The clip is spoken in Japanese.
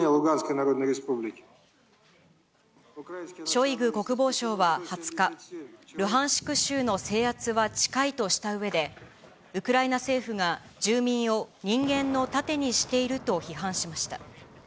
ショイグ国防相は２０日、ルハンシク州の制圧は近いとしたうえで、ウクライナ政府が、住民を人間の盾にしていると批判しました。